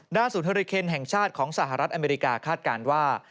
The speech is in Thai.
ศูนย์เฮอริเคนแห่งชาติของสหรัฐอเมริกาคาดการณ์ว่า